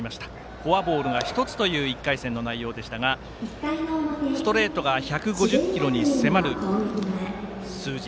フォアボールが１つという１回戦の内容でしたがストレートが１５０キロに迫る数字。